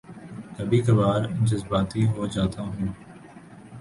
کبھی کبھار جذباتی ہو جاتا ہوں